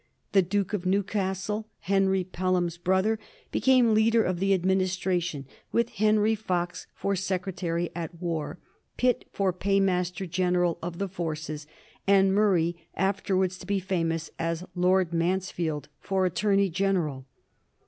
The Duke of Newcastle, Henry Pelham's brother, became leader of the administration, with Henry Fox for Secretary at War, Pitt for Paymaster general of the Forces, and Murray, afterwards to be famous as Lord Mansfield, for Attorney general.